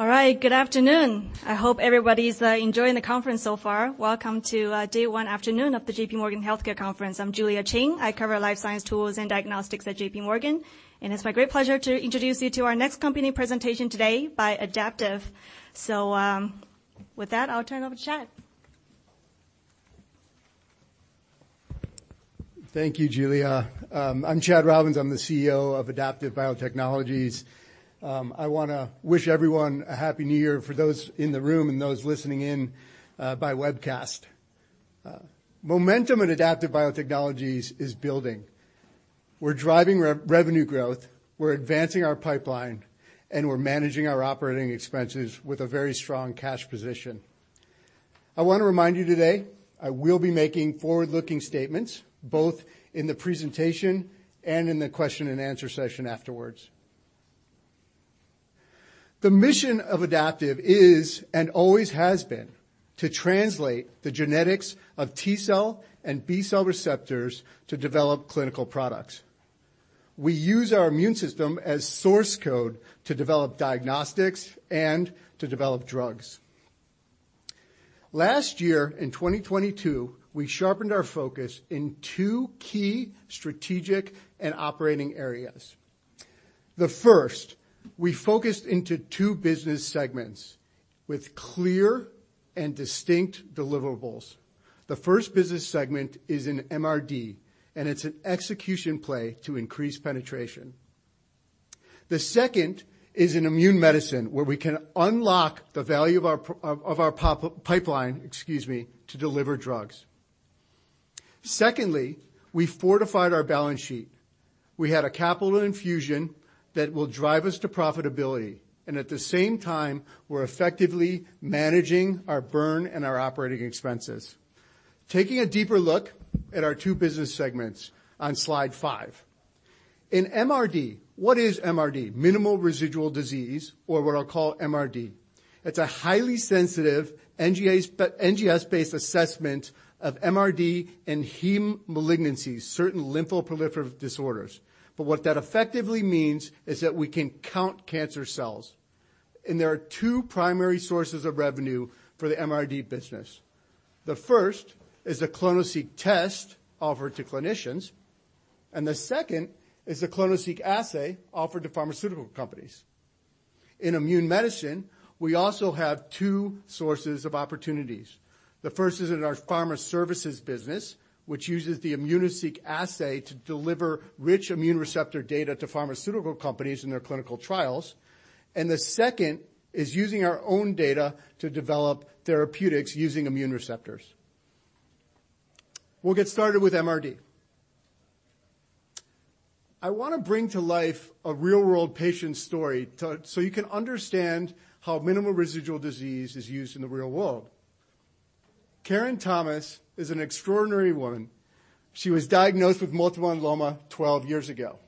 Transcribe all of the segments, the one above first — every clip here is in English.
All right. Good afternoon. I hope everybody's enjoying the conference so far. Welcome to day one afternoon of the J.P. Morgan Healthcare Conference. I'm Julia Cheng. I cover life science tools and diagnostics at J.P. Morgan, and it's my great pleasure to introduce you to our next company presentation today by Adaptive. With that, I'll turn it over to Chad. Thank you, Julia. I'm Chad Robins. I'm the CEO of Adaptive Biotechnologies. I wanna wish everyone a Happy New Year for those in the room and those listening in by webcast. Momentum at Adaptive Biotechnologies is building. We're driving re-revenue growth, we're advancing our pipeline, and we're managing our operating expenses with a very strong cash position. I wanna remind you today, I will be making forward-looking statements both in the presentation and in the question and answer session afterwards. The mission of Adaptive is and always has been to translate the genetics of T-cell and B-cell receptors to develop clinical products. We use our immune system as source code to develop diagnostics and to develop drugs. Last year, in 2022, we sharpened our focus in two key strategic and operating areas. The first, we focused into two business segments with clear and distinct deliverables. The first business segment is in MRD, and it's an execution play to increase penetration. The second is in immune medicine, where we can unlock the value of our pipeline, excuse me, to deliver drugs. Secondly, we fortified our balance sheet. We had a capital infusion that will drive us to profitability, and at the same time, we're effectively managing our burn and our operating expenses. Taking a deeper look at our two business segments on slide five. In MRD. What is MRD? Minimal residual disease, or what I'll call MRD. It's a highly sensitive NGS-based assessment of MRD and hematologic malignancies, certain lymphoproliferative disorders. What that effectively means is that we can count cancer cells, and there are two primary sources of revenue for the MRD business. The first is the clonoSEQ test offered to clinicians, and the second is the clonoSEQ assay offered to pharmaceutical companies. In immune medicine, we also have two sources of opportunities. The first is in our pharma services business, which uses the immunoSEQ assay to deliver rich immune receptor data to pharmaceutical companies in their clinical trials. The second is using our own data to develop therapeutics using immune receptors. We'll get started with MRD. I wanna bring to life a real-world patient story so you can understand how minimal residual disease is used in the real world. Karen Thomas is an extraordinary woman. She was diagnosed with multiple myeloma 12 years ago.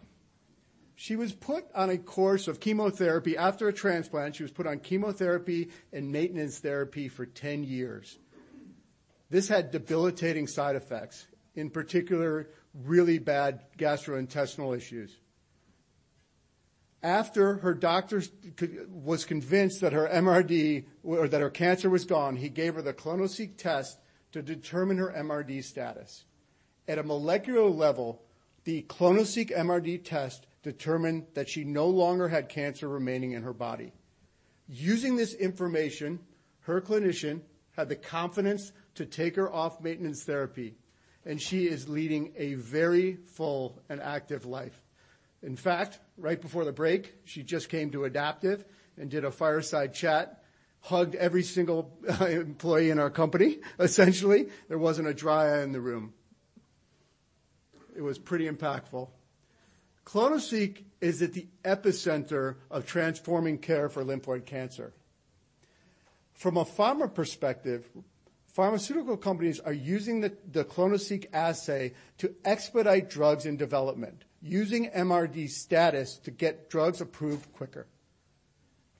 She was put on a course of chemotherapy after a transplant. She was put on chemotherapy and maintenance therapy for 10 years. This had debilitating side effects, in particular, really bad gastrointestinal issues. After her doctor was convinced that her MRD or that her cancer was gone, he gave her the clonoSEQ test to determine her MRD status. At a molecular level, the clonoSEQ MRD test determined that she no longer had cancer remaining in her body. Using this information, her clinician had the confidence to take her off maintenance therapy. She is leading a very full and active life. In fact, right before the break, she just came to Adaptive and did a fireside chat, hugged every single employee in our company, essentially. There wasn't a dry eye in the room. It was pretty impactful. clonoSEQ is at the epicenter of transforming care for lymphoid cancer. From a pharma perspective, pharmaceutical companies are using the clonoSEQ assay to expedite drugs in development, using MRD status to get drugs approved quicker.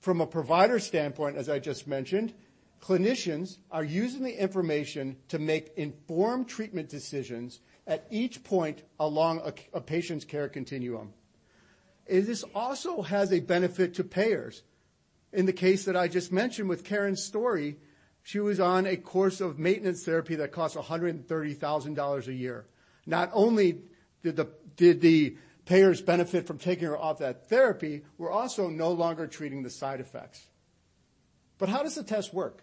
From a provider standpoint, as I just mentioned, clinicians are using the information to make informed treatment decisions at each point along a patient's care continuum. It just also has a benefit to payers. In the case that I just mentioned with Karen's story, she was on a course of maintenance therapy that cost $130,000 a year. Not only did the payers benefit from taking her off that therapy, we're also no longer treating the side effects. How does the test work?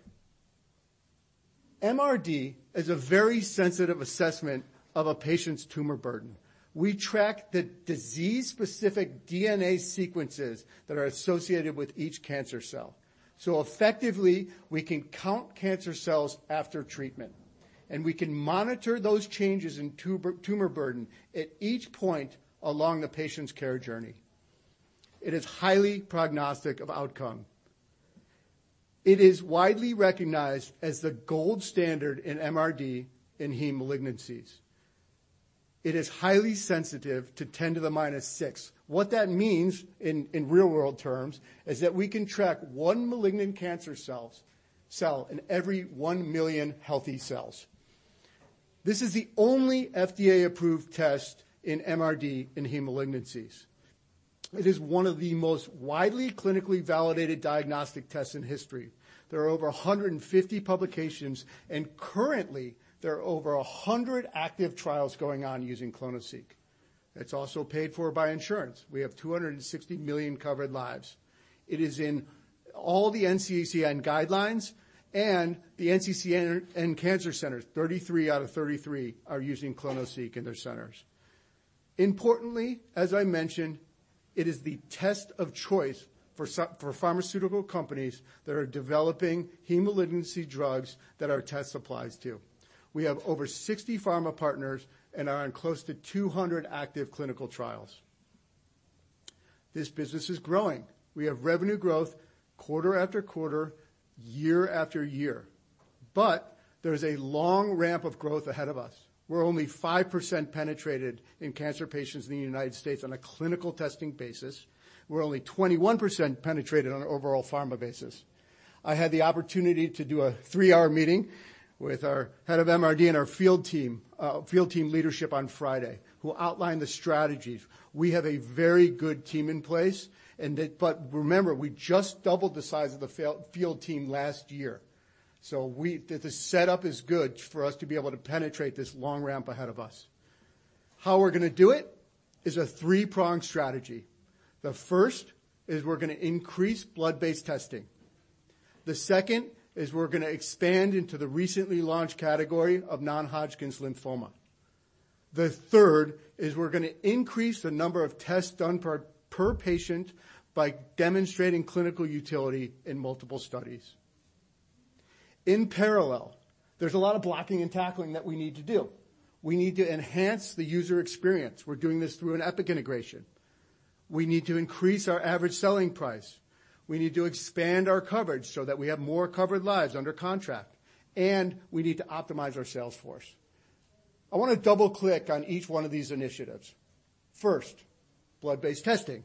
MRD is a very sensitive assessment of a patient's tumor burden. We track the disease-specific DNA sequences that are associated with each cancer cell. Effectively, we can count cancer cells after treatment, and we can monitor those changes in tumor burden at each point along the patient's care journey. It is highly prognostic of outcome. It is widely recognized as the gold standard in MRD in hematologic malignancies. It is highly sensitive to 10 to the minus 6. What that means in real world terms is that we can track one malignant cancer cell in every 1 million healthy cells. This is the only FDA-approved test in MRD in hematologic malignancies. It is one of the most widely clinically validated diagnostic tests in history. There are over 150 publications. Currently, there are over 100 active trials going on using clonoSEQ. It's also paid for by insurance. We have 260 million covered lives. It is in all the NCCN guidelines and the NCCN Cancer Centers, 33 out of 33 are using clonoSEQ in their centers. Importantly, as I mentioned, it is the test of choice for pharmaceutical companies that are developing hemalignancy drugs that our test applies to. We have over 60 pharma partners and are in close to 200 active clinical trials. This business is growing. We have revenue growth quarter after quarter, year after year. There's a long ramp of growth ahead of us. We're only 5% penetrated in cancer patients in the United States on a clinical testing basis. We're only 21% penetrated on an overall pharma basis. I had the opportunity to do a three-hour meeting with our head of MRD and our field team, field team leadership on Friday, who outlined the strategies. We have a very good team in place, remember, we just doubled the size of the field team last year. The setup is good for us to be able to penetrate this long ramp ahead of us. How we're gonna do it is a three-pronged strategy. The first is we're gonna increase blood-based testing. The second is we're gonna expand into the recently launched category of non-Hodgkin's lymphoma. The third is we're gonna increase the number of tests done per patient by demonstrating clinical utility in multiple studies. In parallel, there's a lot of blocking and tackling that we need to do. We need to enhance the user experience. We're doing this through an Epic integration. We need to increase our average selling price. We need to expand our coverage so that we have more covered lives under contract, and we need to optimize our sales force. I wanna double-click on each one of these initiatives. First, blood-based testing.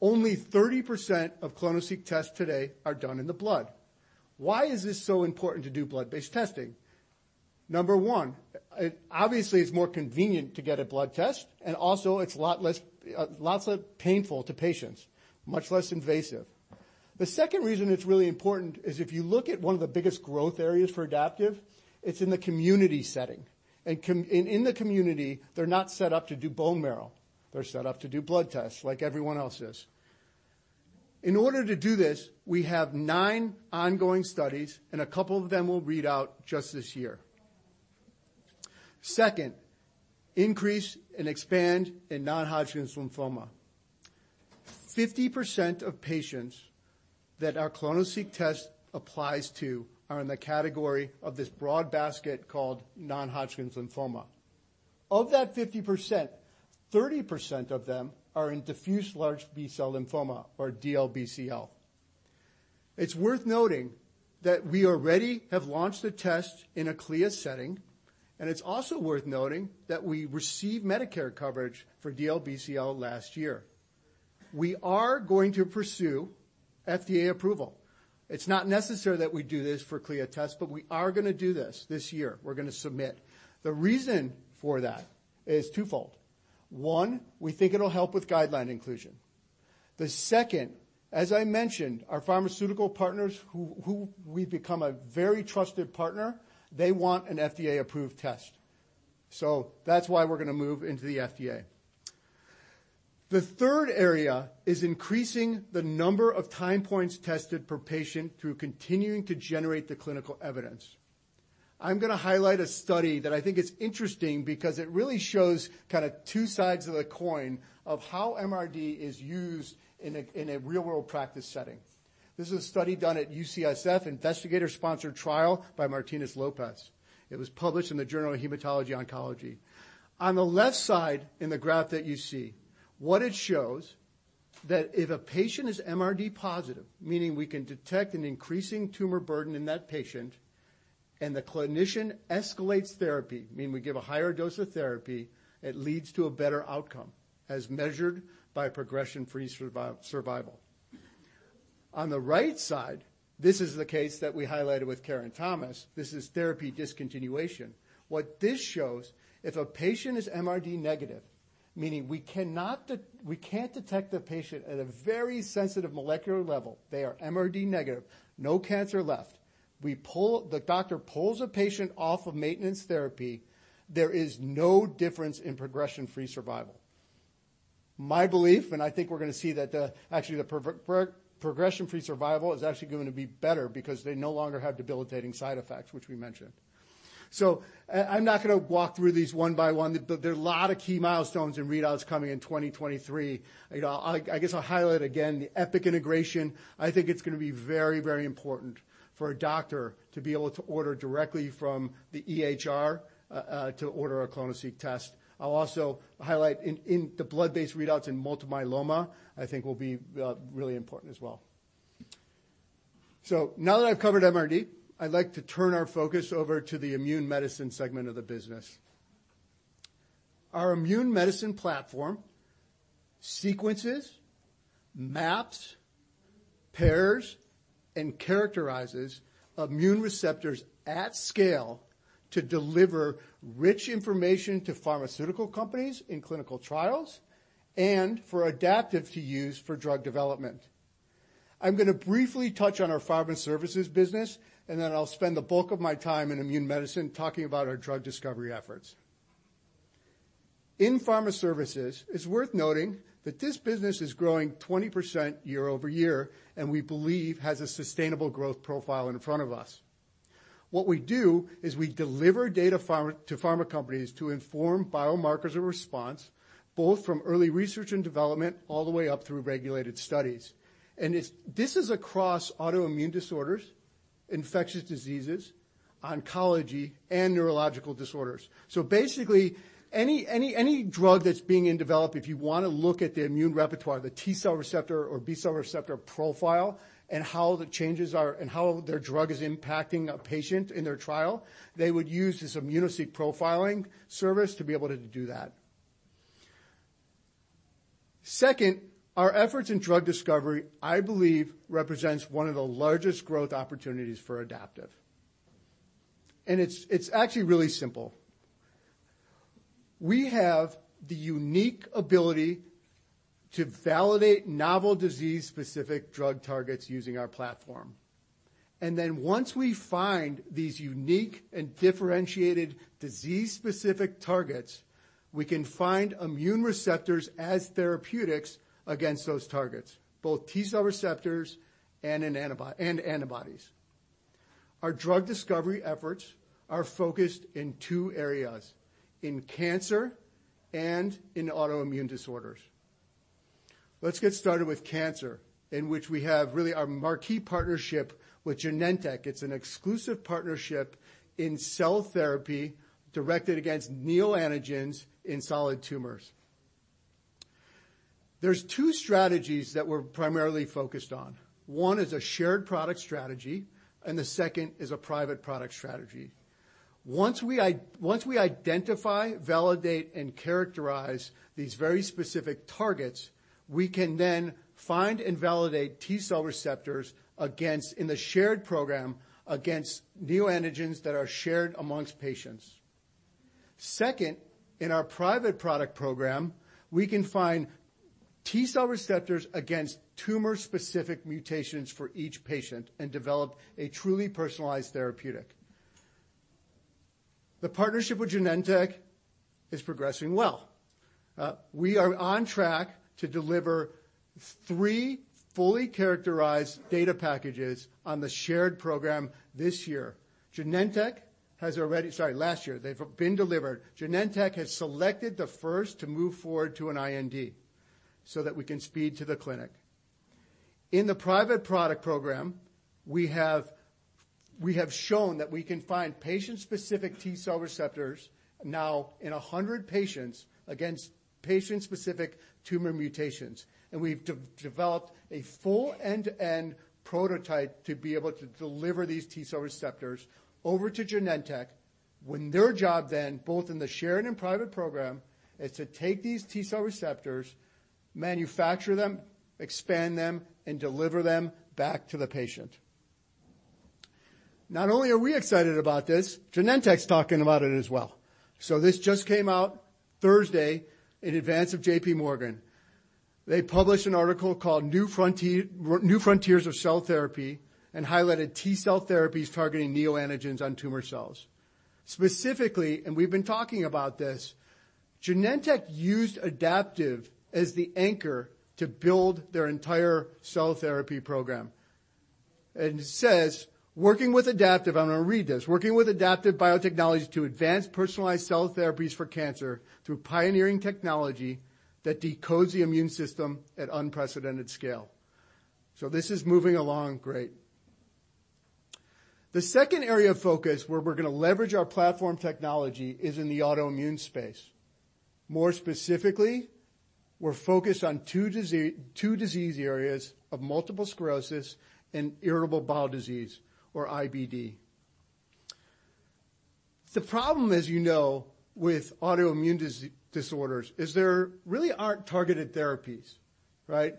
Only 30% of clonoSEQ tests today are done in the blood. Why is this so important to do blood-based testing? Number 1, obviously, it's more convenient to get a blood test, and also it's a lot less lots of painful to patients, much less invasive. The second reason it's really important is if you look at one of the biggest growth areas for Adaptive, it's in the community setting. In the community, they're not set up to do bone marrow. They're set up to do blood tests like everyone else is. In order to do this, we have 9 ongoing studies, and a couple of them will read out just this year. Second, increase and expand in non-Hodgkin's lymphoma. 50% of patients that our clonoSEQ test applies to are in the category of this broad basket called non-Hodgkin's lymphoma. Of that 50%, 30% of them are in diffuse large B-cell lymphoma or DLBCL. It's worth noting that we already have launched a test in a CLIA setting, and it's also worth noting that we received Medicare coverage for DLBCL last year. We are going to pursue FDA approval. It's not necessary that we do this for CLIA tests, but we are gonna do this year. We're gonna submit. The reason for that is twofold. One, we think it'll help with guideline inclusion. The second, as I mentioned, our pharmaceutical partners who we've become a very trusted partner, they want an FDA-approved test. That's why we're gonna move into the FDA. The third area is increasing the number of time points tested per patient through continuing to generate the clinical evidence. I'm gonna highlight a study that I think is interesting because it really shows kinda two sides of the coin of how MRD is used in a real-world practice setting. This is a study done at UCSF, investigator-sponsored trial by Martínez-López. It was published in the Journal of Hematology & Oncology. On the left side in the graph that you see, what it shows that if a patient is MRD positive, meaning we can detect an increasing tumor burden in that patient, and the clinician escalates therapy, meaning we give a higher dose of therapy, it leads to a better outcome as measured by progression-free survival. On the right side, this is the case that we highlighted with Karen Thomas. This is therapy discontinuation. What this shows, if a patient is MRD negative, meaning we cannot we can't detect the patient at a very sensitive molecular level, they are MRD negative, no cancer left. The doctor pulls a patient off of maintenance therapy, there is no difference in progression-free survival. My belief, and I think we're gonna see that, actually the progression-free survival is actually going to be better because they no longer have debilitating side effects, which we mentioned. I'm not gonna walk through these one by one, but there are a lot of key milestones and readouts coming in 2023. You know, I'll, I guess I'll highlight again the Epic integration. I think it's gonna be very, very important for a doctor to be able to order directly from the EHR to order a clonoSEQ test. I'll also highlight in the blood-based readouts in multiple myeloma, I think will be really important as well. Now that I've covered MRD, I'd like to turn our focus over to the immune medicine segment of the business. Our immune medicine platform sequences, maps, pairs, and characterizes immune receptors at scale to deliver rich information to pharmaceutical companies in clinical trials and for Adaptive to use for drug development. I'm gonna briefly touch on our pharma services business, then I'll spend the bulk of my time in immune medicine talking about our drug discovery efforts. In pharma services, it's worth noting that this business is growing 20% year-over-year, we believe has a sustainable growth profile in front of us. What we do is we deliver data to pharma companies to inform biomarkers of response, both from early research and development all the way up through regulated studies. This is across autoimmune disorders, infectious diseases, oncology, and neurological disorders. Basically, any drug that's being developed, if you wanna look at the immune repertoire, the T-cell receptor or B-cell receptor profile and how the changes are, and how their drug is impacting a patient in their trial, they would use this immunoSEQ profiling service to be able to do that. Second, our efforts in drug discovery, I believe, represents one of the largest growth opportunities for Adaptive. It's actually really simple. We have the unique ability to validate novel disease-specific drug targets using our platform. Then once we find these unique and differentiated disease-specific targets, we can find immune receptors as therapeutics against those targets, both T-cell receptors and antibodies. Our drug discovery efforts are focused in two areas: in cancer and in autoimmune disorders. Let's get started with cancer, in which we have really our marquee partnership with Genentech. It's an exclusive partnership in cell therapy directed against neoantigens in solid tumors. There's two strategies that we're primarily focused on. One is a shared product strategy, and the second is a private product strategy. Once we identify, validate, and characterize these very specific targets, we can then find and validate T-cell receptors in the shared program against neoantigens that are shared amongst patients. Second, in our private product program, we can find T-cell receptors against tumor-specific mutations for each patient and develop a truly personalized therapeutic. The partnership with Genentech is progressing well. We are on track to deliver three fully characterized data packages on the shared program this year. Sorry, last year. They've been delivered. Genentech has selected the first to move forward to an IND so that we can speed to the clinic. In the private product program, we have shown that we can find patient-specific T-cell receptors now in 100 patients against patient-specific tumor mutations, and we've developed a full end-to-end prototype to be able to deliver these T-cell receptors over to Genentech, when their job then, both in the shared and private program, is to take these T-cell receptors, manufacture them, expand them, and deliver them back to the patient. Not only are we excited about this, Genentech's talking about it as well. This just came out Thursday in advance of J.P. Morgan. They published an article called New Frontiers of Cell Therapy and highlighted T-cell therapies targeting neoantigens on tumor cells. Specifically, and we've been talking about this, Genentech used Adaptive as the anchor to build their entire cell therapy program. It says, working with Adaptive Biotechnologies to advance personalized cell therapies for cancer through pioneering technology that decodes the immune system at unprecedented scale. This is moving along great. The second area of focus where we're gonna leverage our platform technology is in the autoimmune space. More specifically, we're focused on two disease areas of multiple sclerosis and Inflammatory Bowel Disease or IBD. The problem as you know, with autoimmune disorders is there really aren't targeted therapies, right?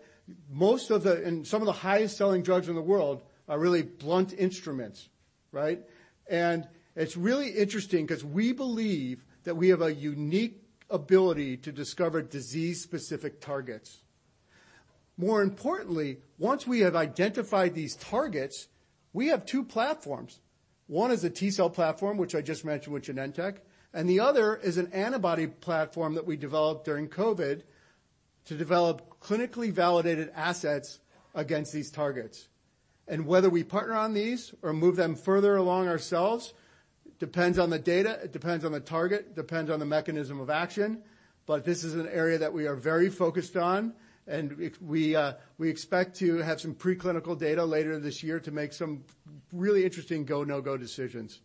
In some of the highest selling drugs in the world are really blunt instruments, right? It's really interesting 'cause we believe that we have a unique ability to discover disease-specific targets. More importantly, once we have identified these targets, we have two platforms. One is a T-cell platform, which I just mentioned with Genentech, and the other is an antibody platform that we developed during COVID to develop clinically validated assets against these targets. Whether we partner on these or move them further along ourselves, depends on the data, it depends on the target, depends on the mechanism of action, but this is an area that we are very focused on, and if we expect to have some preclinical data later this year to make some really interesting go, no-go decisions.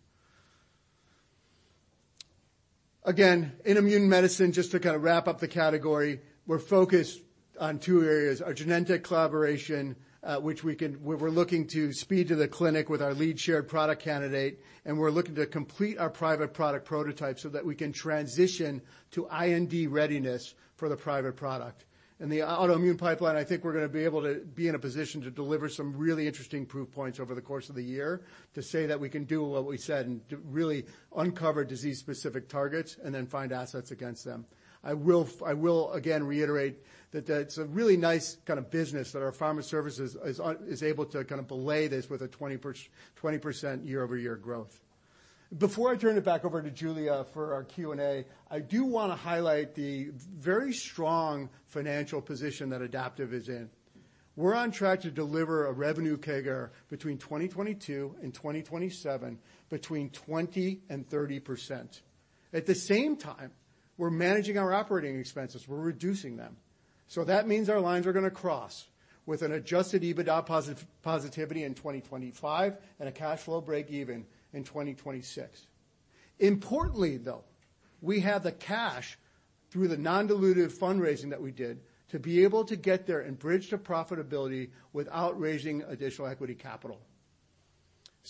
Again, in immune medicine, just to kinda wrap up the category, we're focused on two areas, our Genentech collaboration, which we're looking to speed to the clinic with our lead shared product candidate, and we're looking to complete our private product prototype so that we can transition to IND readiness for the private product. In the autoimmune pipeline, I think we're gonna be able to be in a position to deliver some really interesting proof points over the course of the year to say that we can do what we said and to really uncover disease-specific targets and then find assets against them. I will again reiterate that that's a really nice kind of business that our pharma services is on... is able to kind of belay this with a 20% year-over-year growth. Before I turn it back over to Julia for our Q&A, I do wanna highlight the very strong financial position that Adaptive is in. We're on track to deliver a revenue CAGR between 2022 and 2027, between 20% and 30%. At the same time, we're managing our operating expenses. We're reducing them. That means our lines are gonna cross with an adjusted EBITDA positivity in 2025 and a cash flow break even in 2026. Importantly, though, we have the cash through the non-dilutive fundraising that we did to be able to get there and bridge to profitability without raising additional equity capital.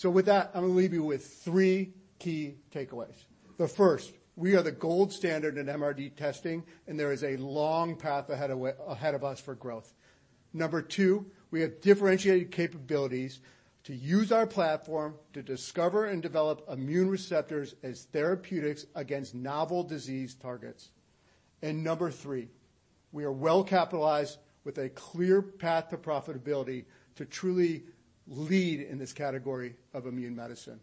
With that, I'm gonna leave you with three key takeaways. The first, we are the gold standard in MRD testing, and there is a long path ahead of us for growth. Number two, we have differentiated capabilities to use our platform to discover and develop immune receptors as therapeutics against novel disease targets. Number three, we are well-capitalized with a clear path to profitability to truly lead in this category of immune medicine.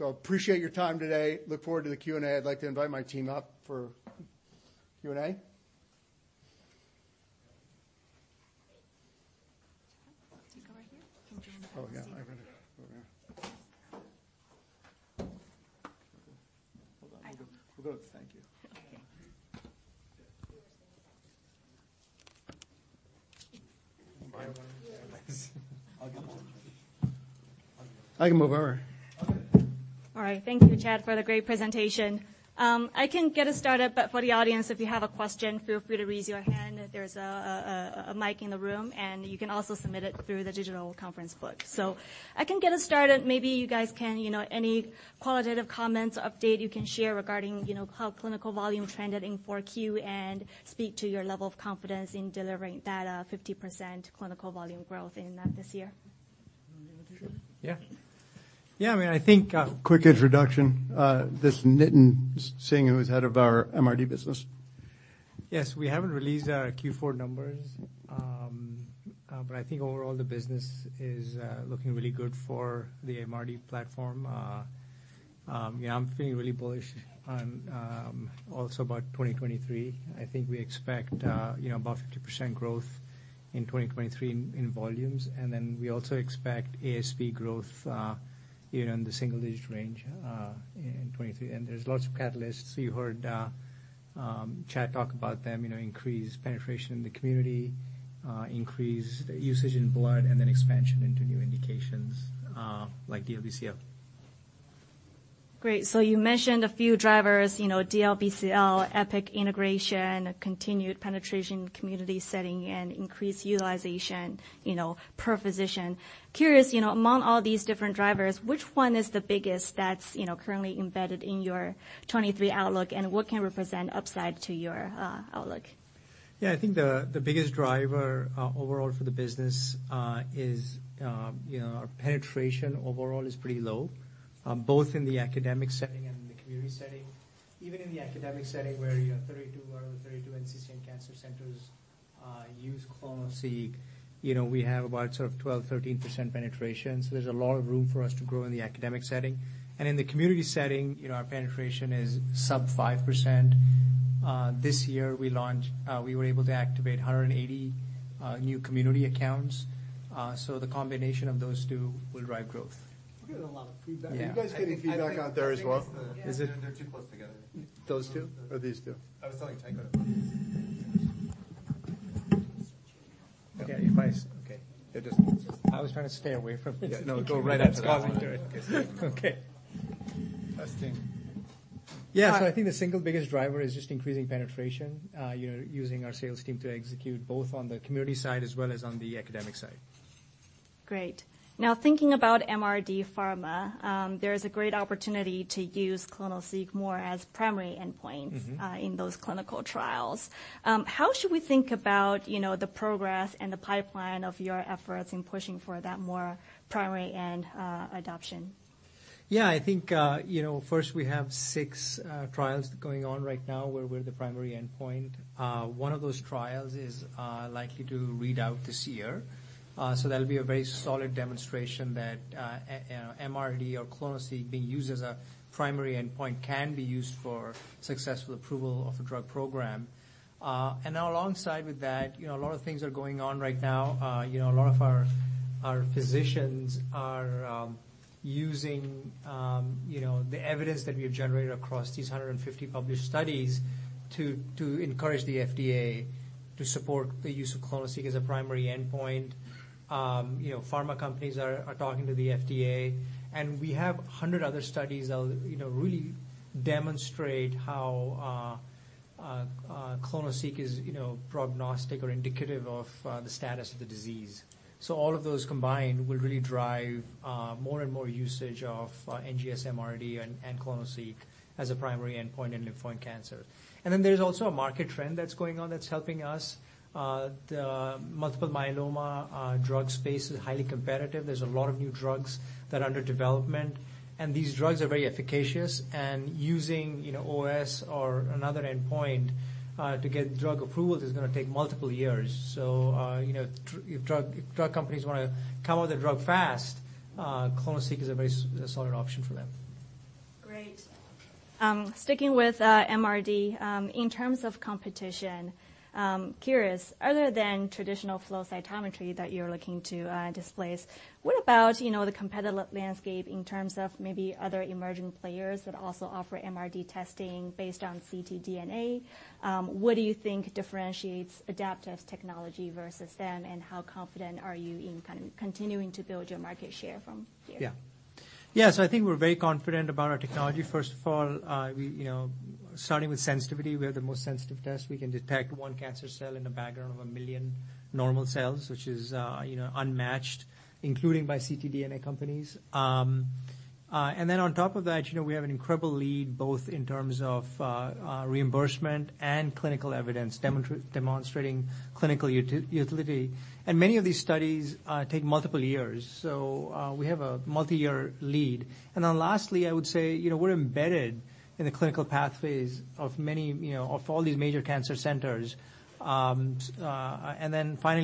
Appreciate your time today. Look forward to the Q&A. I'd like to invite my team up for Q&A. Oh, yeah, I gotta. Over here. Hold on. I can- We're good. Thank you. Okay. Am I on? I'll get that. I can move over. All right. Thank you, Chad, for the great presentation. I can get us started, but for the audience, if you have a question, feel free to raise your hand. There's a mic in the room, and you can also submit it through the digital conference book. I can get us started. Maybe you guys can, you know, any qualitative comments or update you can share regarding, you know, how clinical volume trended in four Q and speak to your level of confidence in delivering that 50% clinical volume growth in this year. Sure. Yeah. Yeah, I mean, I think, quick introduction, this is Nitin Jain, who's head of our MRD business. Yes, we haven't released our Q4 numbers, but I think overall the business is looking really good for the MRD platform. Yeah, I'm feeling really bullish on also about 2023. I think we expect, you know, about 50% growth in 2023 in volumes. We also expect ASV growth, you know, in the single-digit range in 2023. There's lots of catalysts. You heard Chad talk about them, you know, increased penetration in the community, increased usage in blood, and then expansion into new indications, like DLBCL. Great. You mentioned a few drivers, you know, DLBCL, Epic integration, continued penetration community setting, and increased utilization, you know, per physician. Curious, you know, among all these different drivers, which one is the biggest that's, you know, currently embedded in your 2023 outlook, and what can represent upside to your outlook? Yeah. I think the biggest driver overall for the business is, you know, our penetration overall is pretty low, both in the academic setting and in the community setting. Even in the academic setting where you have 32 NCCN cancer centers use clonoSEQ, you know, we have about 12%-13% penetration. There's a lot of room for us to grow in the academic setting. In the community setting, you know, our penetration is sub 5%. This year we were able to activate 180 new community accounts. The combination of those two will drive growth. We're getting a lot of feedback. Yeah. Are you guys getting feedback out there as well? Yeah. They're too close together. Those two or these two? Okay. Okay. I was trying to stay away from. Yeah. No, go right up to the mic. Okay. Testing. Yeah. I think the single biggest driver is just increasing penetration, using our sales team to execute both on the community side as well as on the academic side. Great. Now, thinking about MRD pharma, there is a great opportunity to use clonoSEQ more as primary endpoint. Mm-hmm. in those clinical trials. How should we think about, you know, the progress and the pipeline of your efforts in pushing for that more primary end, adoption? Yeah. I think, you know, first we have six trials going on right now where we're the primary endpoint. One of those trials is likely to read out this year. That'll be a very solid demonstration that, you know, MRD or clonoSEQ being used as a primary endpoint can be used for successful approval of a drug program. Now alongside with that, you know, a lot of things are going on right now. You know, a lot of our physicians are using, you know, the evidence that we've generated across these 150 published studies to encourage the FDA to support the use of clonoSEQ as a primary endpoint. You know, pharma companies are talking to the FDA. We have 100 other studies that'll, you know, really demonstrate how clonoSEQ is, you know, prognostic or indicative of the status of the disease. All of those combined will really drive more and more usage of NGS MRD and clonoSEQ as a primary endpoint in lymphoid cancer. There's also a market trend that's going on that's helping us. The multiple myeloma drug space is highly competitive. There's a lot of new drugs that are under development, and these drugs are very efficacious. Using, you know, OS or another endpoint to get drug approval is gonna take multiple years. You know, if drug companies wanna come with a drug fast, clonoSEQ is a very solid option for them. Great. Sticking with MRD, in terms of competition, curious, other than traditional flow cytometry that you're looking to displace, what about, you know, the competitive landscape in terms of maybe other emerging players that also offer MRD testing based on ctDNA? What do you think differentiates Adaptive's technology versus them, and how confident are you in kind of continuing to build your market share from there? Yeah. I think we're very confident about our technology. First of all, we, you know, starting with sensitivity, we have the most sensitive test. We can detect one cancer cell in a background of 1 million normal cells, which is, you know, unmatched, including by ctDNA companies. On top of that, you know, we have an incredible lead, both in terms of reimbursement and clinical evidence demonstrating clinical utility. Many of these studies take multiple years, so we have a multi-year lead. Lastly, I would say, you know, we're embedded in the clinical pathways of many, you know, of all these major cancer centers. Finally,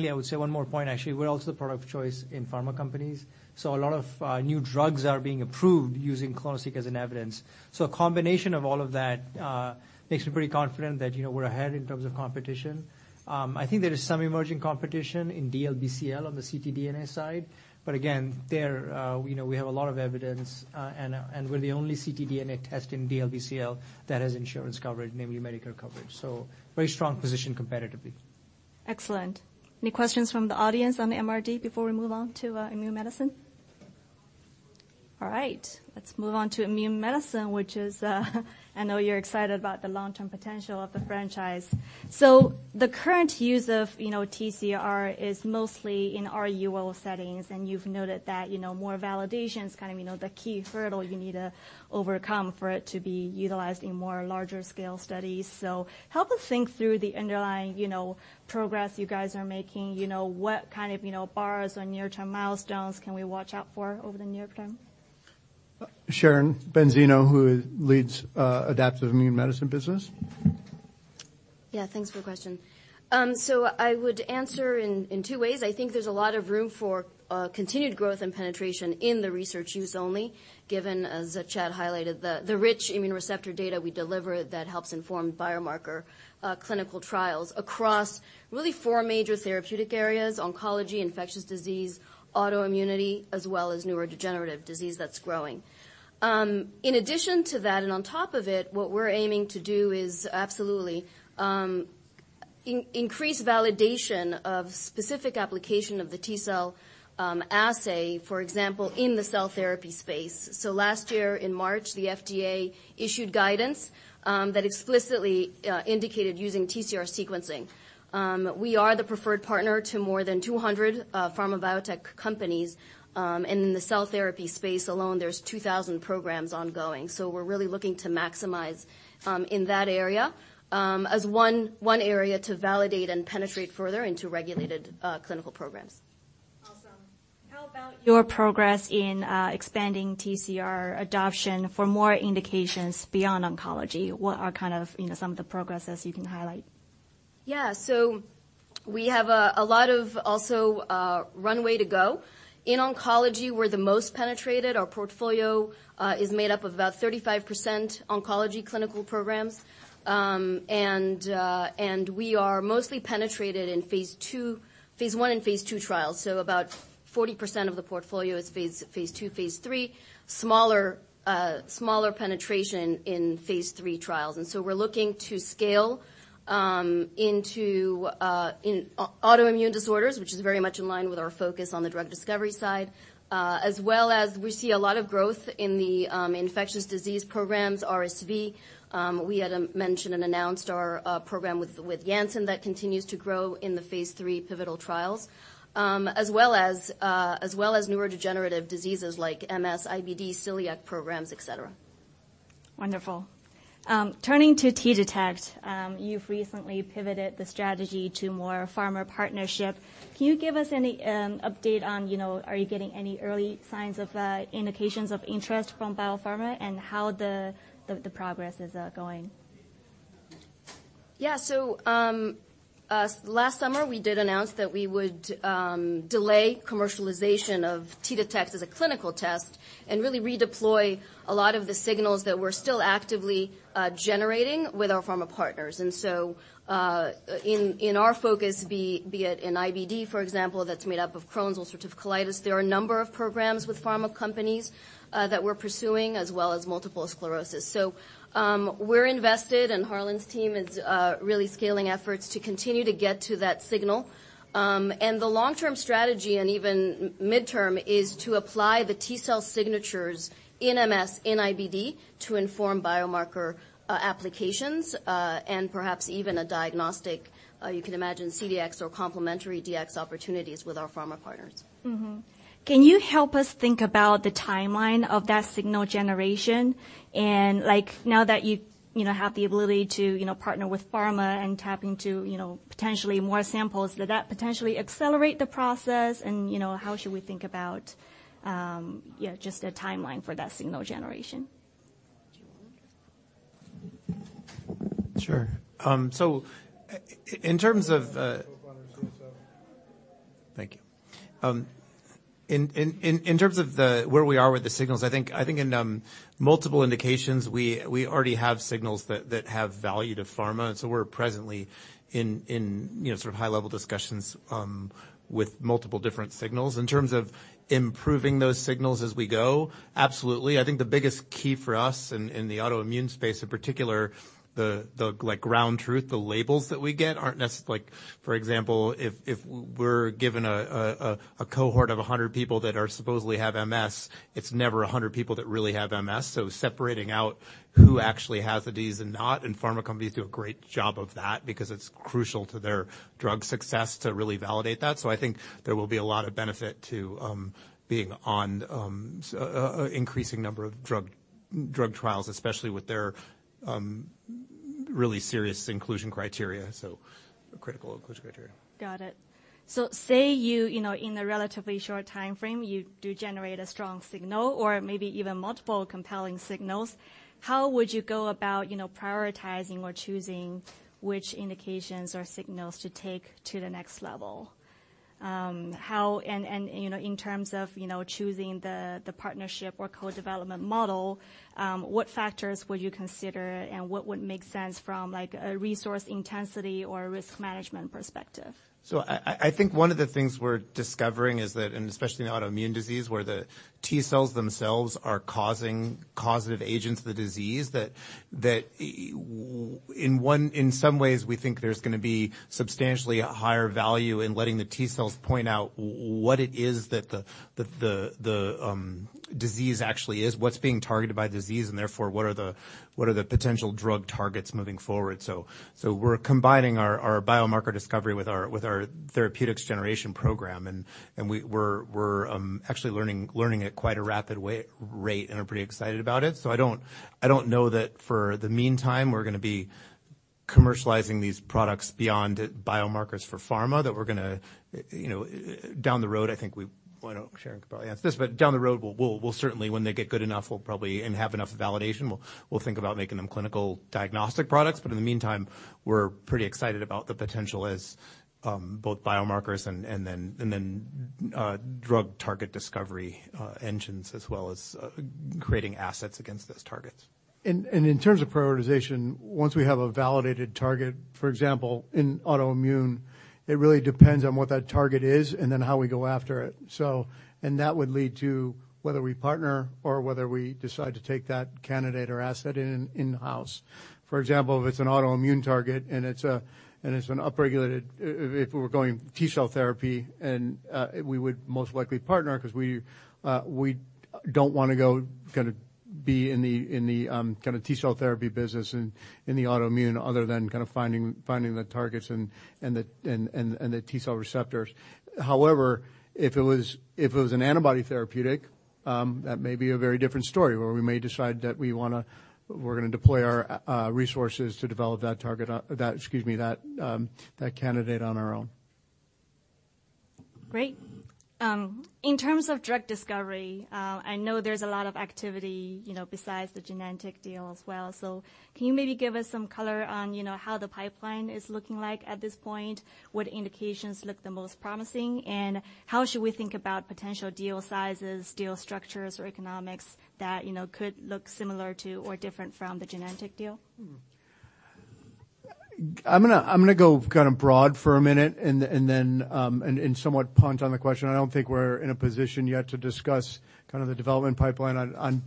I would say one more point, actually. We're also the product of choice in pharma companies, a lot of new drugs are being approved using clonoSEQ as an evidence. A combination of all of that makes me pretty confident that, you know, we're ahead in terms of competition. I think there is some emerging competition in DLBCL on the ctDNA side, again, there, you know, we have a lot of evidence, and we're the only ctDNA test in DLBCL that has insurance coverage, namely Medicare coverage. Very strong position competitively. Excellent. Any questions from the audience on MRD before we move on to immune medicine? All right, let's move on to immune medicine, which is, I know you're excited about the long-term potential of the franchise. The current use of, you know, TCR is mostly in RUO settings, and you've noted that, you know, more validation is kind of, you know, the key hurdle you need to overcome for it to be utilized in more larger scale studies. Help us think through the underlying, you know, progress you guys are making. You know, what kind of, you know, bars or near-term milestones can we watch out for over the near term? Sharon Benzeno, who leads, Adaptive Immune Medicine business. Yeah, thanks for the question. I would answer in two ways. I think there's a lot of room for continued growth and penetration in the research use only, given, as Chad highlighted, the rich immune receptor data we deliver that helps inform biomarker clinical trials across really four major therapeutic areas: oncology, infectious disease, autoimmunity, as well as neurodegenerative disease that's growing. In addition to that, and on top of it, what we're aiming to do is absolutely increase validation of specific application of the T-cell assay, for example, in the cell therapy space. Last year in March, the FDA issued guidance that explicitly indicated using TCR sequencing. We are the preferred partner to more than 200 pharma biotech companies, and in the cell therapy space alone, there's 2,000 programs ongoing. We're really looking to maximize in that area, as one area to validate and penetrate further into regulated clinical programs. Awesome. How about your progress in expanding TCR adoption for more indications beyond oncology? What are kind of, you know, some of the progresses you can highlight? We have a lot of also runway to go. In oncology, we're the most penetrated. Our portfolio is made up of about 35% oncology clinical programs. We are mostly penetrated in phase one and phase two trials, so about 40% of the portfolio is phase two, phase three. Smaller penetration in phase three trials. We're looking to scale into autoimmune disorders, which is very much in line with our focus on the drug discovery side. As well as we see a lot of growth in the infectious disease programs, RSV. We had mentioned and announced our program with Janssen that continues to grow in the phase three pivotal trials. As well as neurodegenerative diseases like MS, IBD, celiac programs, et cetera. Wonderful. Turning to T-Detect, you've recently pivoted the strategy to more pharma partnership. Can you give us any update on, you know, are you getting any early signs of indications of interest from biopharma and how the progress is going? Last summer we did announce that we would delay commercialization of T-Detect as a clinical test and really redeploy a lot of the signals that we're still actively generating with our pharma partners. In our focus, be it in IBD, for example, that's made up of Crohn's or ulcerative colitis, there are a number of programs with pharma companies that we're pursuing, as well as multiple sclerosis. We're invested, and Harlan's team is really scaling efforts to continue to get to that signal. The long-term strategy and even midterm is to apply the T-cell signatures in MS, in IBD. To inform biomarker applications, and perhaps even a diagnostic, you can imagine CDx or complementary diagnostics opportunities with our pharma partners. Mm-hmm. Can you help us think about the timeline of that signal generation? Like, now that you know, have the ability to, you know, partner with pharma and tap into, you know, potentially more samples, would that potentially accelerate the process? You know, how should we think about, yeah, just a timeline for that signal generation? Do you want? Sure. Thank you. In terms of where we are with the signals, I think in multiple indications, we already have signals that have value to pharma. We're presently in, you know, sort of high-level discussions with multiple different signals. In terms of improving those signals as we go, absolutely. I think the biggest key for us in the autoimmune space, in particular, the, like, ground truth, the labels that we get aren't necessarily. Like, for example, if we're given a cohort of 100 people that are supposedly have MS, it's never 100 people that really have MS. Separating out who actually has the disease and not, and pharma companies do a great job of that because it's crucial to their drug success to really validate that. I think there will be a lot of benefit to being on increasing number of drug trials, especially with their really serious inclusion criteria, so critical inclusion criteria. Got it. Say you know, in a relatively short timeframe, you do generate a strong signal or maybe even multiple compelling signals, how would you go about, you know, prioritizing or choosing which indications or signals to take to the next level? You know, in terms of, you know, choosing the partnership or co-development model, what factors would you consider and what would make sense from, like, a resource intensity or risk management perspective? I think one of the things we're discovering is that, and especially in autoimmune disease, where the T cells themselves are causing causative agents of the disease, that in some ways, we think there's gonna be substantially a higher value in letting the T cells point out what it is that the disease actually is, what's being targeted by disease, and therefore, what are the potential drug targets moving forward. We're combining our biomarker discovery with our therapeutics generation program, and we're actually learning at quite a rapid rate and are pretty excited about it. I don't know that for the meantime, we're gonna be commercializing these products beyond biomarkers for pharma, that we're gonna, you know. Down the road, I think we... Sharon could probably answer this, but down the road, we'll certainly, when they get good enough, and have enough validation, we'll think about making them clinical diagnostic products. In the meantime, we're pretty excited about the potential as both biomarkers and then drug target discovery engines, as well as creating assets against those targets. In terms of prioritization, once we have a validated target, for example, in autoimmune, it really depends on what that target is and then how we go after it. That would lead to whether we partner or whether we decide to take that candidate or asset in-house. For example, if it's an autoimmune target, if we were going T-cell therapy, we would most likely partner because we don't wanna go kind of be in the T-cell therapy business in the autoimmune other than kind of finding the targets and the T-cell receptors. However, if it was an antibody therapeutic, that may be a very different story, where we may decide that we wanna... We're gonna deploy our resources to develop that target, Excuse me, that candidate on our own. Great. In terms of drug discovery, I know there's a lot of activity, you know, besides the Genentech deal as well. Can you maybe give us some color on, you know, how the pipeline is looking like at this point? What indications look the most promising? How should we think about potential deal sizes, deal structures, or economics that, you know, could look similar to or different from the Genentech deal? I'm gonna go kind of broad for a minute and then, and somewhat punt on the question. I don't think we're in a position yet to discuss kind of the development pipeline on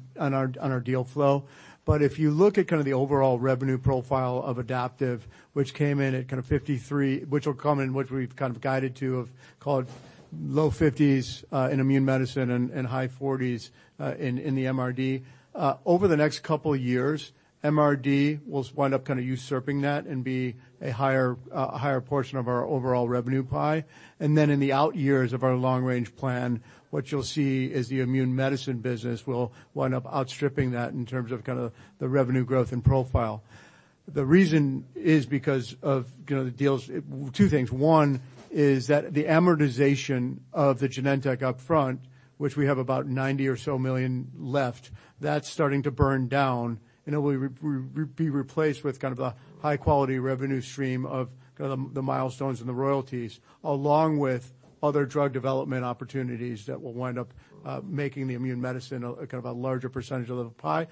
our deal flow. If you look at kind of the overall revenue profile of Adaptive, which came in at kind of $53, which will come and which we've kind of guided to of, call it, low $50s in Immune Medicine and high $40s in the MRD. Over the next 2 years, MRD will wind up kind of usurping that and be a higher portion of our overall revenue pie. Then in the out years of our long-range plan, what you'll see is the immune medicine business will wind up outstripping that in terms of kind of the revenue growth and profile. The reason is because of, you know, the deals, two things. One is that the amortization of the Genentech upfront, which we have about $90 million or so left, that's starting to burn down, and it will be replaced with kind of a high-quality revenue stream of the milestones and the royalties, along with other drug development opportunities that will wind up making the immune medicine a, kind of a larger percentage of the pie.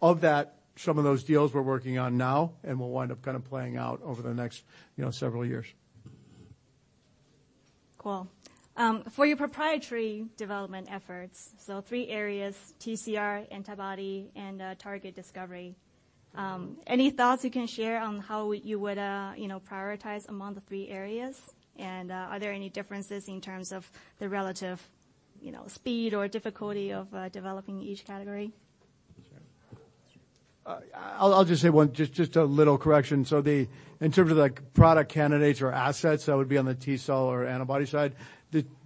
Of that, some of those deals we're working on now and will wind up kind of playing out over the next, you know, several years. Cool. For your proprietary development efforts, so three areas, TCR, antibody, and target discovery. Any thoughts you can share on how you would, you know, prioritize among the three areas? Are there any differences in terms of the relative, you know, speed or difficulty of developing each category? I'll just say one. Just a little correction. In terms of, like, product candidates or assets, that would be on the T-cell or antibody side.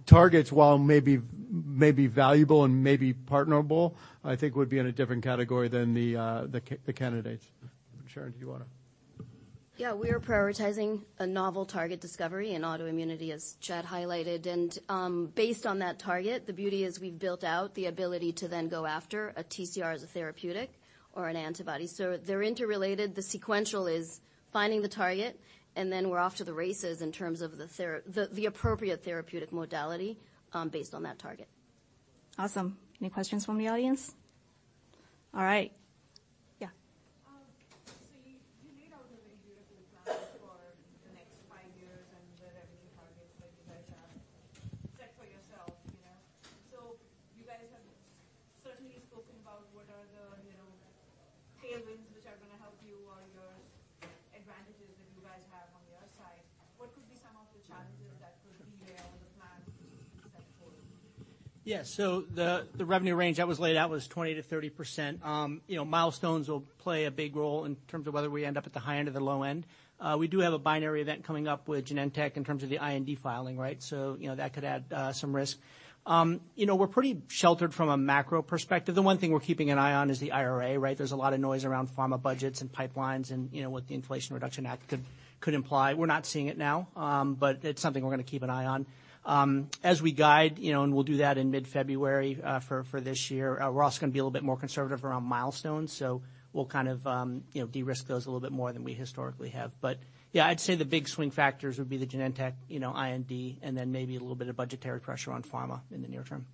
The targets, while may be valuable and may be partnerable, I think would be in a different category than the candidates. Sharon, do you wanna? Yeah. We are prioritizing a novel target discovery in autoimmunity, as Chad highlighted. Based on that target, the beauty is we've built out the ability to then go after a TCR as a therapeutic or an antibody. They're interrelated. The sequential is finding the target, and then we're off to the races in terms of the appropriate therapeutic modality, based on that target. Awesome. Any questions from the audience? All right. As we guide, you know, and we'll do that in mid-February, for this year, we're also gonna be a little bit more conservative around milestones, so we'll kind of, you know, de-risk those a little bit more than we historically have. Yeah, I'd say the big swing factors would be the Genentech, you know, IND, and then maybe a little bit of budgetary pressure on pharma in the near term.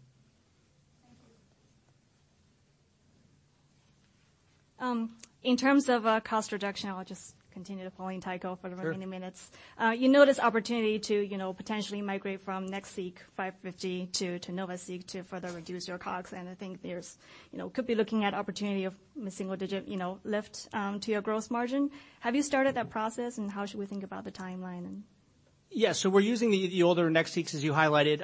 Thank you. In terms of, cost reduction, I'll just continue to follow in Tycho for the remaining minutes. Sure. You know this opportunity to, you know, potentially migrate from NextSeq 550 to NovaSeq to further reduce your COGS. I think there's, you know, could be looking at opportunity of a single-digit, you know, lift to your gross margin. Have you started that process, and how should we think about the timeline and...? Yeah. We're using the older NextSeqs, as you highlighted.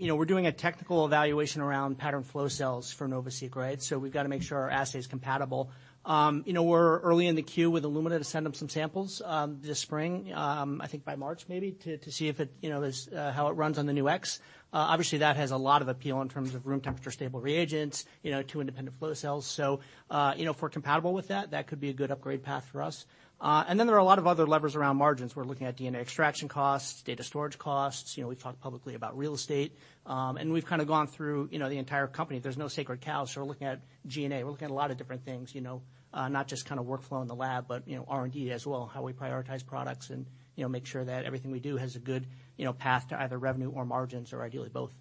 You know, we're doing a technical evaluation around patterned flow cells for NovaSeq, right? We've gotta make sure our assay's compatible. You know, we're early in the queue with Illumina to send them some samples this spring, I think by March maybe, to see if it, you know, is how it runs on the new X. Obviously, that has a lot of appeal in terms of room temperature, stable reagents, you know, 2 independent flow cells. You know, if we're compatible with that could be a good upgrade path for us. Then there are a lot of other levers around margins. We're looking at DNA extraction costs, data storage costs. You know, we've talked publicly about real estate. We've kinda gone through, you know, the entire company. There's no sacred cows. We're looking at G&A. We're looking at a lot of different things, you know, not just kinda workflow in the lab, but, you know, R&D as well, how we prioritize products and, you know, make sure that everything we do has a good, you know, path to either revenue or margins or ideally both.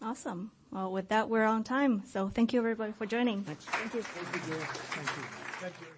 Awesome. Well, with that, we're on time. Thank you everybody for joining. Thanks. Thank you. Thank you, Julia. Thank you. Thank you.